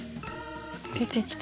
出てきた。